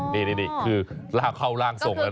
นี่นี่นี่คือล่างเข้าร่างส่งแล้วนะ